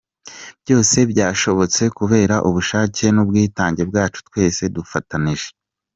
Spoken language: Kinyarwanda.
Byose byashobotse kubera ubushake n'ubwitange bwacu twese dufatanije.